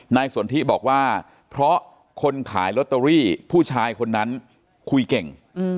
สนทิบอกว่าเพราะคนขายลอตเตอรี่ผู้ชายคนนั้นคุยเก่ง